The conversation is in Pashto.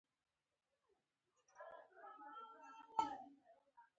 د لیک زده کول د لوړې مرتبې نښه شوه.